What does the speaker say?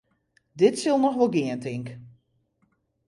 Dit sil noch wol gean, tink.